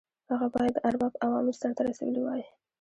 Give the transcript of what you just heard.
هغه باید د ارباب اوامر سرته رسولي وای.